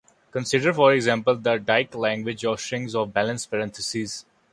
Consider, for example, the Dyck language of strings of balanced parentheses.